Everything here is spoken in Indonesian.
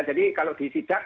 jadi kalau disidak